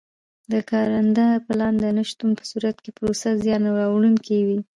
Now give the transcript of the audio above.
د کارنده پلان د نه شتون په صورت کې پروسه زیان اړوونکې وي.